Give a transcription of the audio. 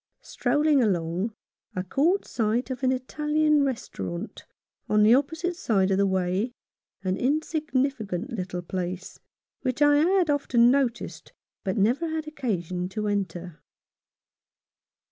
Strolling along, I caught sight of an Italian restaurant on the opposite side of the way, an insignificant little place, which I had often noticed, but never had occasion to enter.